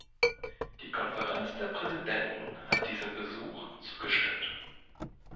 Die Konferenz der Präsidenten hat diesem Besuch zugestimmt.